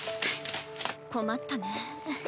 困ったね。